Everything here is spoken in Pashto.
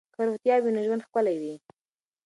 که روغتیا وي نو ژوند ښکلی وي.